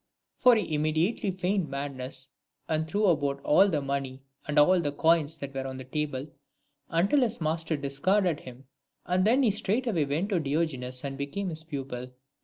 For he immediately feigned madness, and threw about all the money and all the coins that were on the table, until his master discarded him, and then he straightway went to Diogenes and became his pupil.